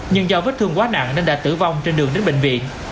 nhưng do vết thương quá nặng nên đã tử vong trên đường đến bệnh viện